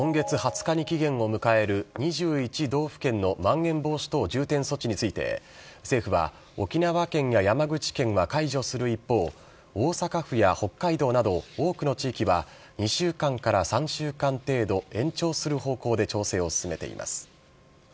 今月２０日に期限を迎える２１道府県のまん延防止等重点措置について、政府は、沖縄県や山口県は解除する一方、大阪府や北海道など、多くの地域は、２週間から３週間程度、延長する方向で調整を進めています。